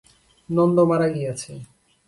নন্দ মারা গিয়াছে!